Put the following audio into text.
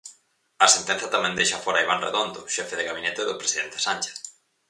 A sentenza tamén deixa fóra a Iván Redondo, Xefe de gabinete do presidente Sánchez.